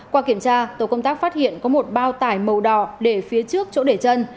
qua kiểm tra tổ công tác phát hiện có một bao tải màu đỏ để phía trước chỗ để chân